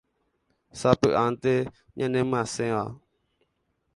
sapy'ánte ñanemyasẽva